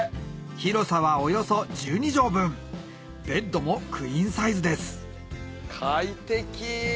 広さはおよそ１２畳分ベッドもクイーンサイズです快適！